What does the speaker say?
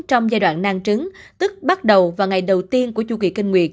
trong giai đoạn nang trứng tức bắt đầu vào ngày đầu tiên của chu kỳ kinh nguyệt